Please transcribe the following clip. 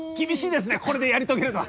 これでやり遂げるのは。